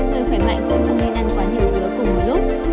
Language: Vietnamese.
người khỏe mạnh cũng không nên ăn quá nhiều dứa cùng một lúc